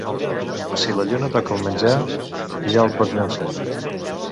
Si la lluna toca el menjar, ja el pots llençar.